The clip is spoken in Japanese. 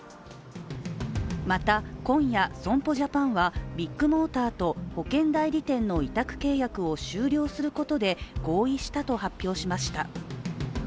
また今夜、損保ジャパンはビッグモーターと保険代理店の委託契約を終了することで合意したと発表しました。